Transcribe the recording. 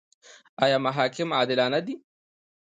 آیا محاکم عادلانه دي؟